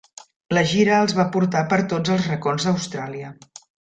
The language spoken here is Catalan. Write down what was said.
La gira els va portar per tots els racons d'Austràlia.